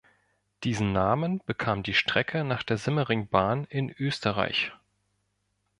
Diesen Namen bekam die Strecke nach der Semmeringbahn in Österreich.